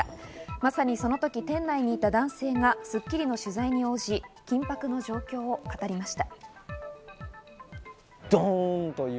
まさにその時、店内にいた男性が『スッキリ』の取材に応じ、緊迫の状況を語りました。